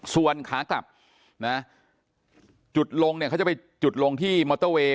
ส่วนขากลับนะจุดลงเนี่ยเขาจะไปจุดลงที่มอเตอร์เวย์